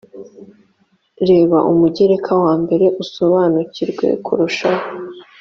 reba umugereka wambere usobanukirwe kurushaho